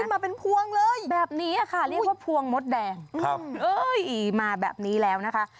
มาเป็นพวงเลยแบบนี้ค่ะเรียกว่าพวงมดแดงครับเอ้ยมาแบบนี้แล้วนะคะ